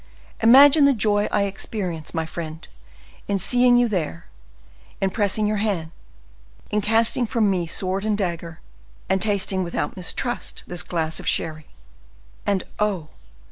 "Imagine the joy I experience, my friend, in seeing you there, in pressing your hand, in casting from me sword and dagger, and tasting without mistrust this glass of sherry. And, oh!